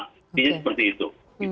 jadi seperti itu gitu